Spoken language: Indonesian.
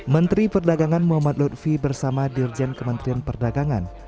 menteri perdagangan muhammad lutfi bersama dirjen kementerian perdagangan